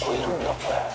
これ。